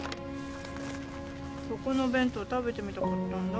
そこの弁当食べてみたかったんだ。